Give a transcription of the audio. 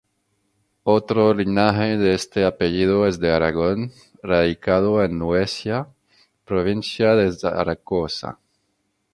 Otro linaje de este apellido es de Aragón, radicado en Luesia, provincia de Zaragoza.